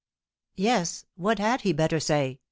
"Yes, what had he better say?"